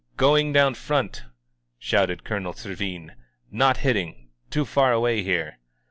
^Going down front, shouted Colonel Serrin. ^^ot hitting. Too far away here.